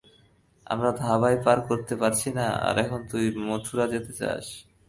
আমরা ধাবাই পার করতে পারছি না আর এখন তুই মথুরা যেতে চাস।